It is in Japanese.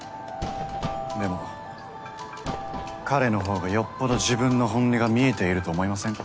でも彼のほうがよっぽど自分の本音が見えていると思いませんか？